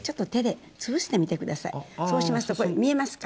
そうしますと見えますか？